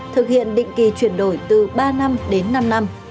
thực hiện định kỳ chuyển đổi từ ba năm đến năm năm